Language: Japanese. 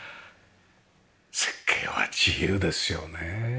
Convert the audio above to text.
設計は自由ですよね。